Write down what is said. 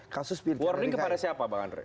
warning kepada siapa pak andre